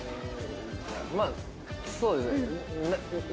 まあそうですね。